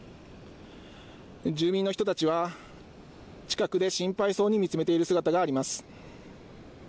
住民の人たちは近くで心配そうに見つめている姿があります。